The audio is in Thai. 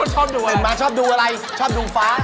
ชอบด่วนมาชอบดูอะไรชอบดูฟ้า